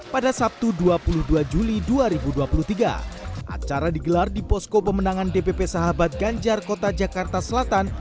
pada sabtu dua puluh dua juli dua ribu dua puluh tiga acara digelar di posko pemenangan dpp sahabat ganjar kota jakarta selatan